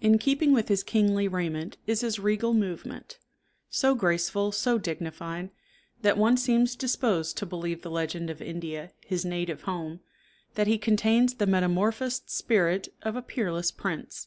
In keeping with his kingly raiment is his regal movement; so graceful, so dignified, that one seems disposed to believe the legend of India, his native home, that he contains the metamorphosed spirit of a peerless prince.